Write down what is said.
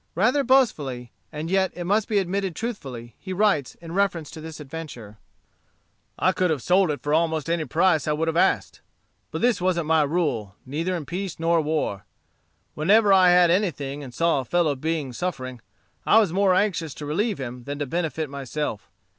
Rather boastfully, and yet it must be admitted truthfully, he writes, in reference to this adventure: "I could have sold it for almost any price I would have asked. But this wasn't my rule, neither in peace nor war. Whenever I had anything and saw a fellow being suffering, I was more anxious to relieve him than to benefit myself.